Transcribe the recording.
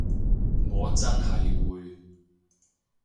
我真係會